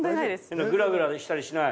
グラグラしたりしない？